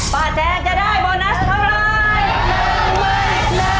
ป้าแจ๊งจะได้โบนัสเท่าไหร่